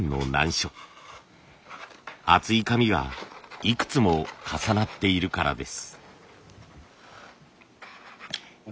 厚い紙がいくつも重なっているからです。